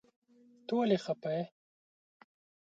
ته ولی خپه یی ؟